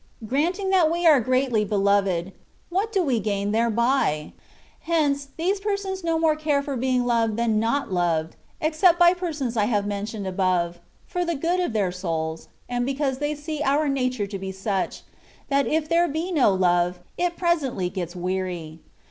Granting that we are greatly beloved, what do we gain thereby? Hence, these persons no more care for being loved than not loved, except by the persons I have mentioned above — for the good of their souls, and because they see our nature to be such, that if there be no love, it presently gets w6ary.